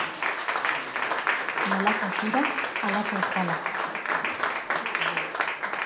Nolako zura, halako ezpala.